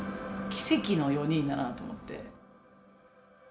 奇跡の４人だなと思って。